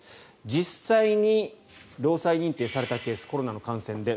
実際に労災認定されたケースコロナの感染で。